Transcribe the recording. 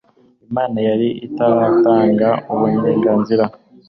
Imana yari itaratanga uburenganzira